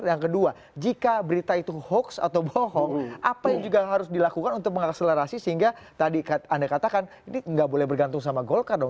yang kedua jika berita itu hoax atau bohong apa yang juga harus dilakukan untuk mengakselerasi sehingga tadi anda katakan ini nggak boleh bergantung sama golkar dong